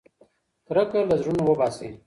کرکه له زړونو وباسئ.